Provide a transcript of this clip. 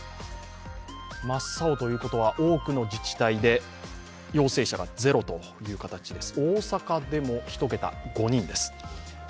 真っ青ということは多くの自治体で陽性者が０です。